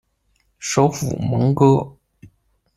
首府蒙戈。